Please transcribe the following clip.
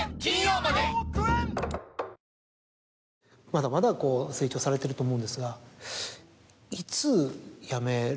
まだまだこう成長されていると思うんですが。